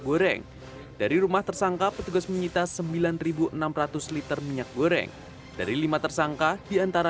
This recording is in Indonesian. goreng dari rumah tersangka petugas menyita sembilan ribu enam ratus liter minyak goreng dari lima tersangka diantara